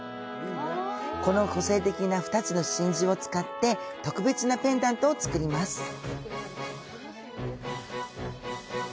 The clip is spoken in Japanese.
この個性的な２つの真珠を使って特別なペンダントを作ります。